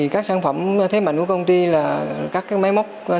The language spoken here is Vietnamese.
các sản phẩm thế mạnh của công ty là các máy móc thiết bị